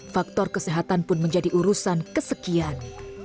faktor kesehatan pun menjadi urusan kesekian